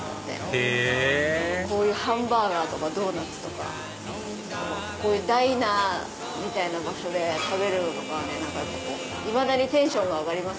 へぇハンバーガーとかドーナツとかダイナーみたいな場所で食べるのいまだにテンション上がります。